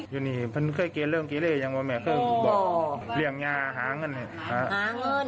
อยู่นี่มันเคยเกลียดเรื่องเกลียดเลยอย่างว่าแม่เคยบอกเหรียญงานหาเงินหาเงิน